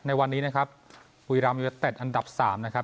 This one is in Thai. ในวันนี้นะครับวีรำยุโยเต็ดอันดับสามนะครับ